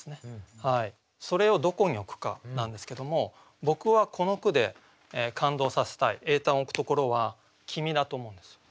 それをどこに置くかなんですけども僕はこの句で感動させたい詠嘆を置くところは「君」だと思うんですよ。